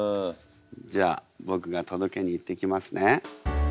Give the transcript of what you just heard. じゃあぼくがとどけに行ってきますね。